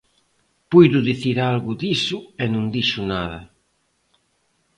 Puido dicir algo diso e non dixo nada.